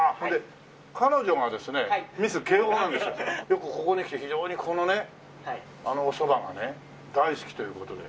よくここに来て非常にここのねおそばがね大好きという事で。